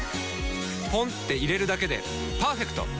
ポンって入れるだけでパーフェクト！